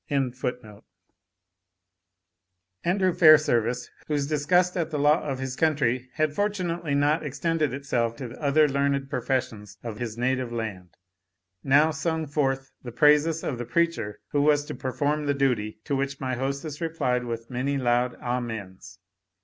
] Andrew Fairservice, whose disgust at the law of his country had fortunately not extended itself to the other learned professions of his native land, now sung forth the praises of the preacher who was to perform the duty, to which my hostess replied with many loud amens.